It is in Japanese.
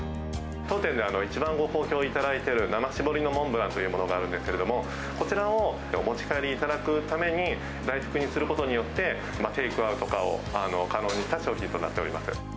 当店では、一番ご好評いただいている、生搾りのモンブランというものがあるんですけど、こちらをお持ち帰りいただくために大福にすることによって、テイクアウトを可能にした商品となっております。